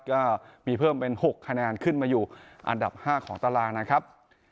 ก็มีเพิ่มเป็น๖คะแนนขึ้นมาอยู่อันดับ๕ของตารางนะครับ